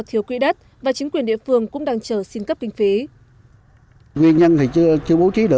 thiếu quỹ đất và chính quyền địa phương cũng đang chờ xin cấp kinh phí